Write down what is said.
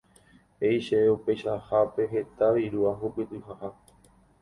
He'i chéve upeichahápe heta viru ahupytytaha.